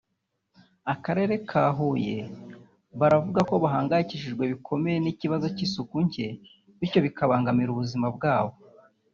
Akarere ka Huye baravuga ko bahangayikishijwe bikomeye n’ikibazo cy’isuku nke biryo bikabangamira ubuzima bwabo